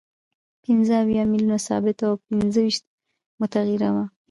پنځه اویا میلیونه ثابته او پنځه ویشت متغیره وه